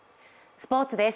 スポーツです。